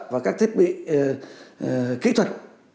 và các thiết bị kỹ thuật